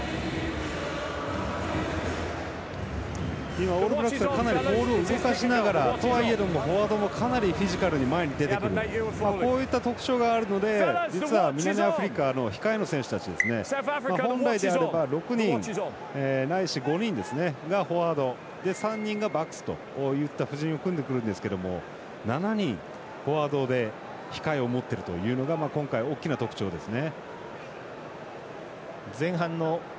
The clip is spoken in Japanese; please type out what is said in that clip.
今、オールブラックスはかなりボールを動かしながらとはいえどもフォワードもかなり、フィジカルに前に出てくるという特徴があるので実は南アフリカの控えの選手たち本来であれば６人ないし５人がフォワードで３人がバックスといった布陣を組んでくるんですが７人、フォワードで控えを持っているというのが今回大きな特徴ですね。